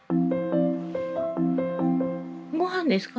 ごはんですか？